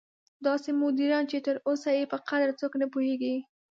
داسې مدیران چې تر اوسه یې په قدر څوک نه پوهېږي.